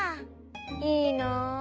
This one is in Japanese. いいな。